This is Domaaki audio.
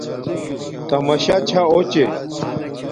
تماشہ چھا اݸچے